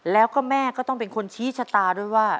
แล้วก็แม่ก็ต้องเป็นคนชี้ชะตาด้วยว่า